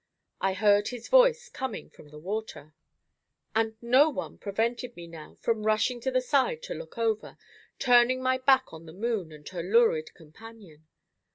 I heard his voice coming from the water, and no one prevented me now from rushing to the side to look over, turning my back on the moon and her lurid companion.